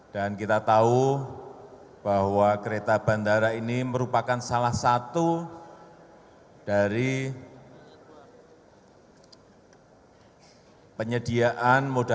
dan kita tahu bahwa kereta bandara ini merupakan salah satu dari penyediaan modalitas